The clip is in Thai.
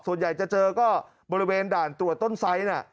ส่วนใหญ่จะเจอก็บริเวณด่านตรวจต้นไซส์น่ะ